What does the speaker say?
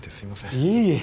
いえいえ